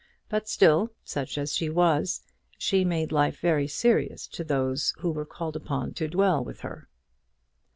But still, such as she was, she made life very serious to those who were called upon to dwell with her.